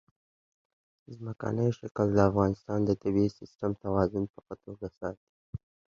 ځمکنی شکل د افغانستان د طبعي سیسټم توازن په ښه توګه ساتي.